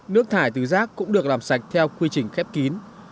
nước thải từ rác cũng được làm sạch theo quy trình khép kín